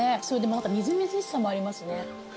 それでまたみずみずしさもありますね。